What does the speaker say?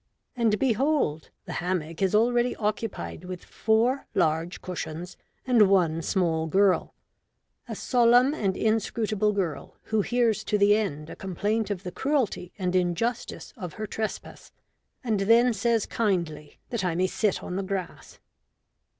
And, behold, the hammock is already occupied with four large cushions and one small girl a solemn and inscrutable girl who hears to the end a complaint of the cruelty and injustice of her trespass, and then says kindly that I may sit on the grass.